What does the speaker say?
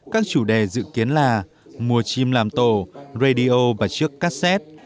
các chủ đề dự kiến là mùa chim làm tổ radio và chiếc cassette